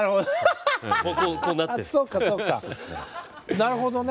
なるほどね。